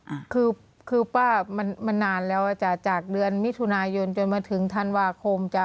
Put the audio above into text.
อ่าคือคือป้ามันมันนานแล้วอ่ะจ้ะจากเดือนมิถุนายนจนมาถึงธันวาคมจ้ะ